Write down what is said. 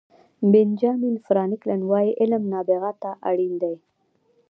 بینجامین فرانکلن وایي علم نابغه ته اړین دی.